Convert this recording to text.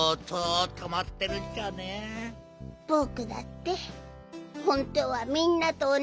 ぼくだってほんとうはみんなとおなじようにふきたい。